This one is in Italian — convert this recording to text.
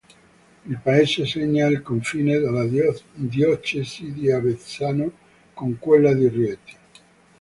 Il paese segna il confine della diocesi di Avezzano con quella di Rieti.